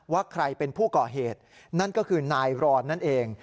ว่าใครเป็นผู้ก่อเหตุนั่นก็คือนายรอนนั่นเอง